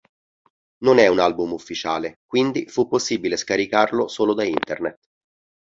Non è un album ufficiale, quindi fu possibile scaricarlo solo da Internet.